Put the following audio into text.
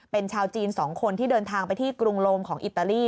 เป็นชาวจีน๒คนที่เดินทางไปที่กรุงโลมของอิตาลี